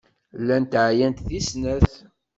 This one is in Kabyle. Llant ɛyant deg snat.